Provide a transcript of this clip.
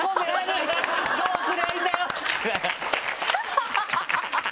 ハハハハ！